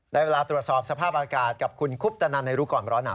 ได้เวลาตรวจสอบสภาพอากาศกับคุณคุปตนันในรู้ก่อนร้อนหนา